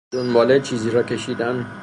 دنباله چیزی را کشیدن